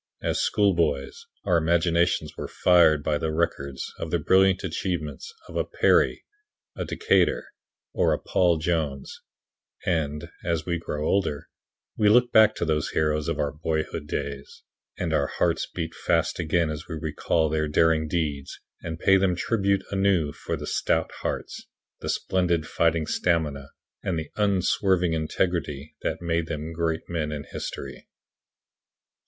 As schoolboys, our imaginations were fired by the records of the brilliant achievements of a Perry, a Decatur or a Paul Jones; and, as we grow older, we look back to those heroes of our boyhood days, and our hearts beat fast again as we recall their daring deeds and pay them tribute anew for the stout hearts, the splendid fighting stamina, and the unswerving integrity that made them great men in history.